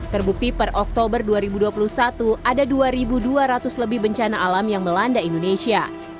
terbukti per oktober dua ribu dua puluh satu ada dua dua ratus lebih bencana alam yang melanda indonesia